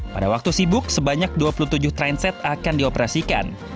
pada waktu sibuk sebanyak dua puluh tujuh trainset akan dioperasikan